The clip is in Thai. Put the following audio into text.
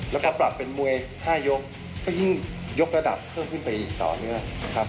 แล้วก็ปรับเป็นมวย๕ยกก็ยิ่งยกระดับเพิ่มขึ้นไปอีกต่อเนื่องนะครับ